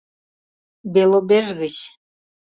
— Белобеж гыч.